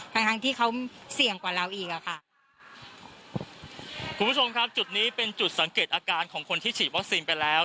ทั้งทั้งที่เขาเสี่ยงกว่าเราอีกอ่ะค่ะคุณผู้ชมครับจุดนี้เป็นจุดสังเกตอาการของคนที่ฉีดวัคซีนไปแล้ว